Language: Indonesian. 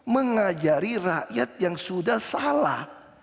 mengajari rakyat yang sudah salah